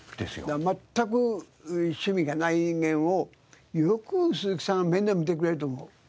だから全く趣味がない人間をよく鈴木さん面倒見てくれると思う。